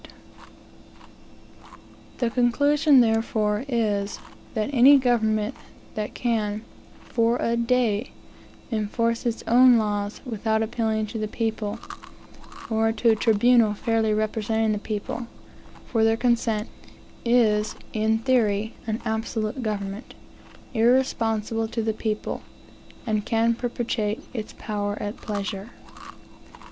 The conclusion, therefore, is, that any government, that can, for a day, enforce its own laws, without appealing to the people, (or to a tribunal fairly representing the people,) for their consent, is, in theory, an absolute government, irresponsible to the people, and can perpetuate its power at pleasure.